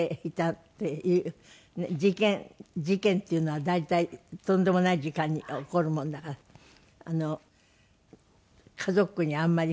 事件っていうのは大体とんでもない時間に起こるもんだから家族にあんまり。